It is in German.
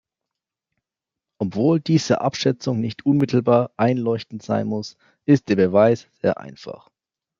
Obwohl diese Abschätzung nicht unmittelbar einleuchtend sein muss, ist der Beweis sehr einfach.